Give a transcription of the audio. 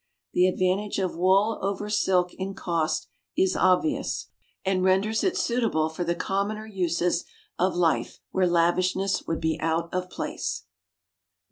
The advantage of wool over silk in cost is obvious, and renders it suitable for the commoner uses of life, where lavishness would be out of place.